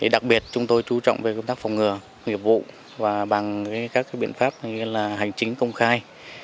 đặc biệt chúng tôi trú trọng về công tác phòng ngừa nghiệp vụ và bằng các biện pháp hành chính công khai